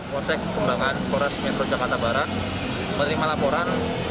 polsek kembangan polres metro jakarta barat menerima laporan